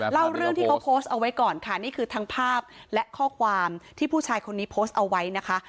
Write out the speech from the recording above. เล่าเรื่องที่เขาโพสต์เอาไว้ก่อนค่ะนี่คือทั้งภาพและข้อความที่ผู้ชายคนนี้โพสต์เอาไว้นะคะ